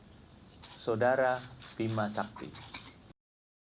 timnas seagame pssi memutuskan pelatih timnas u enam belas dan u sembilan belas